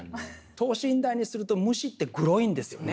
等身大にすると虫ってグロいんですよね。